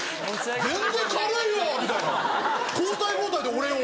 「全然軽いよ」みたいな交代交代で俺を。